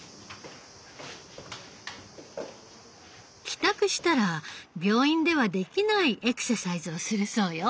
帰宅したら病院ではできないエクササイズをするそうよ。